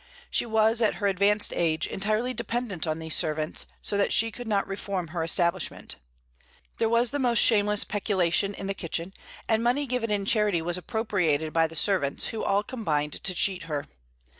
She was, at her advanced age, entirely dependent on these servants, so that she could not reform her establishment. There was the most shameless peculation in the kitchen, and money given in charity was appropriated by the servants, who all combined to cheat her.